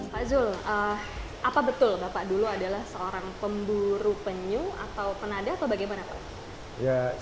pak zul apa betul bapak dulu adalah seorang pemburu penyu atau penada atau bagaimana pak